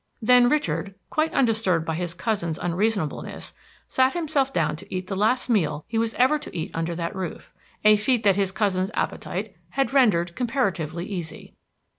Then Richard, quite undisturbed by his cousin's unreasonableness, sat himself down to eat the last meal he was ever to eat under that roof, a feat which his cousin's appetite had rendered comparatively easy.